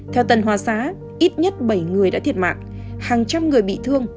theo tân hoa xá ít nhất bảy người đã thiệt mạng hàng trăm người bị thương